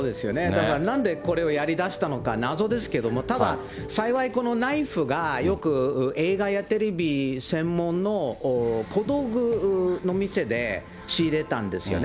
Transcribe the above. だから、なんでこれをやりだしたのか、謎ですけれども、幸い、このナイフがよく映画やテレビ専門の小道具の店で仕入れたんですよね。